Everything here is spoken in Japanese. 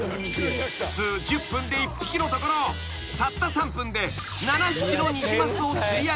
［普通１０分で１匹のところたった３分で７匹のニジマスを釣り上げた鳥羽さん］